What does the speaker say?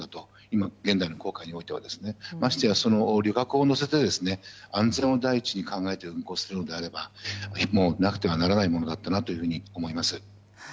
今、現代の航海においては。ましてや旅客を乗せて安全を第一に考えて運航するのであればなくてはならないものだと思います。